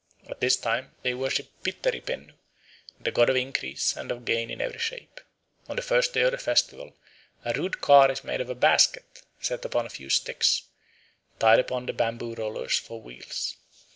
At this time they worship Pitteri Pennu, the god of increase and of gain in every shape. On the first day of the festival a rude car is made of a basket set upon a few sticks, tied upon the bamboo rollers for wheels.